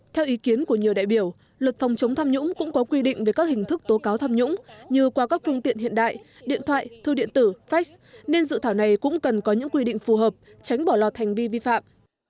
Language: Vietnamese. theo ý kiến của nhiều đại biểu luật phòng chống tham nhũng cũng có quy định về các hình thức tố cáo tham nhũng như qua các phương tiện hiện đại điện thoại thư điện tử fax nên dự thảo này cũng cần có những quy định phù hợp tránh bỏ lọt hành vi vi phạm